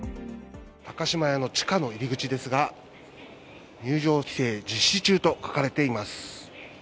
高島屋の地下の入り口ですが、入場規制実施中と書かれています。